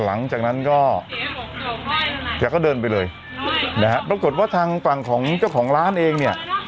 หลังจากนั้นก็แกก็เดินไปเลยนะฮะปรากฏว่าทางฝั่งของเจ้าของร้านเองเนี่ย